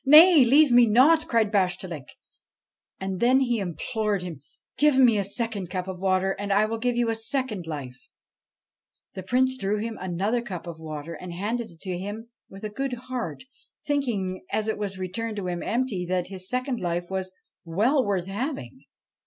' Nay, leave me not !' cried Bashtchelik, and then he implored him :' Give me a second cup of water, and I will give you a second life.' 107 BASHTCHELIK The Prince drew him another cup of water and handed it to him with a good heart, thinking, as it was returned to him empty, that a second life was well worth having.